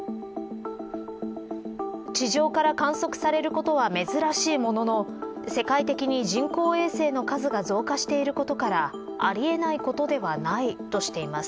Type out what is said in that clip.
地上から観測されることは珍しいものの世界的に人工衛星の数が増加していることからありえないことではないとしています。